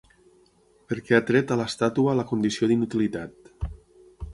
-Perquè ha tret a l'estàtua la condició d'inutilitat…